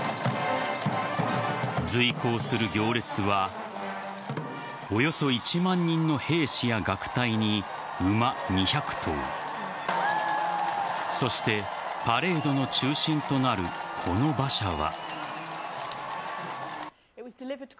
随行する行列はおよそ１万人の兵士や楽隊に馬２００頭そしてパレードの中心となるこの馬車は。